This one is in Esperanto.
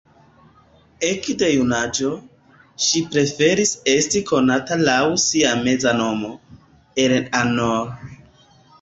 Ekde junaĝo, ŝi preferis esti konata laŭ sia meza nomo, Eleanor.